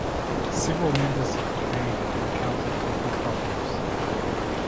Several members of the band have encountered legal problems.